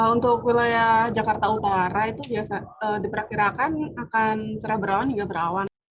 untuk wilayah jakarta utara itu biasa diperkirakan akan cerah berawan hingga berawan